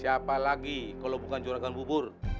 siapa lagi kalo bukan juragan bubur